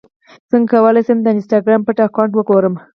څنګه کولی شم د انسټاګرام پټ اکاونټ وګورم